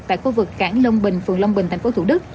tại khu vực cảng long bình phường long bình tp thủ đức